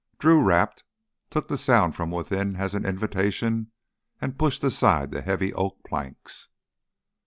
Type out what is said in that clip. Drew rapped, took the sound from within as an invitation, and pushed aside the heavy oak planks.